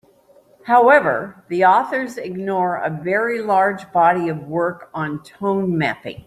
However, the authors ignore a very large body of work on tone mapping.